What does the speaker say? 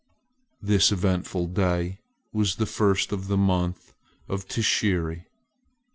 This eventful day was the first of the month of Tishri.